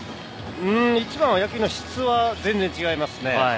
一番は野球の質が全然違います。